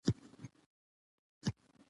څوک چې له کوره وتلي نه وي.